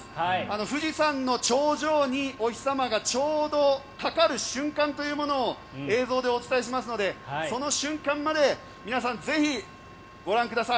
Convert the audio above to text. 富士山の頂上にお日様がちょうどかかる瞬間というものを映像でお伝えしますのでその瞬間まで皆さん、ぜひご覧ください。